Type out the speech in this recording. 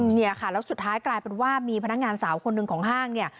เนี่ยค่ะแล้วสุดท้ายกลายเป็นว่ามีพนักงานสาวคนหนึ่งของห้างเนี่ย